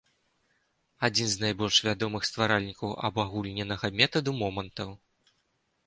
Адзін з найбольш вядомых стваральнікаў абагульненага метаду момантаў.